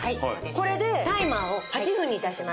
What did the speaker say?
これでタイマーを８分に致します。